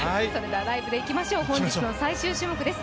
ライブでいきましょう本日の最終種目です。